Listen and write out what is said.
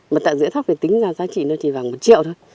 mà tạo rưỡi thóc thì tính ra giá trị nó chỉ vào một triệu thôi